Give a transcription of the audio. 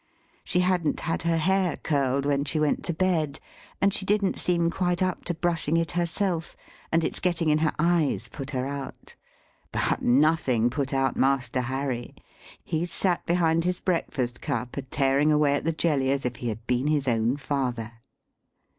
She hadn't had her hair curled when she went to bed, and she didn't seem quite up to brushing it herself, and its getting in her eyes put her out. But nothing put out Master Harry. He sat behind his breakfast cup, a tearing away at the jelly, as if he had been his own father.